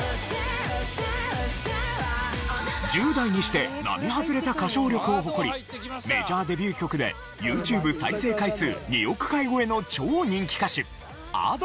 １０代にして並外れた歌唱力を誇りメジャーデビュー曲でＹｏｕＴｕｂｅ再生回数２億回超えの超人気歌手Ａｄｏ。